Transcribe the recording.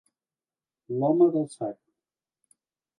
L'home del sac.